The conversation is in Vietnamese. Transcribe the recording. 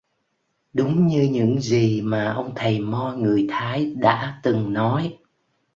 Đúng như những gì mà ông thầy mo người thái đã từng nói